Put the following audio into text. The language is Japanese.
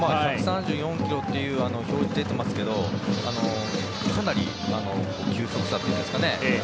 １３４ｋｍという表示が出ていますがかなり、球速差というんですかね